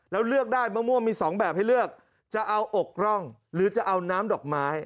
แล้วเลือกได้มะม่วงมี๒แบบให้เลือกจะเอาอกร่องหรือจะเอาน้ำดอกไม้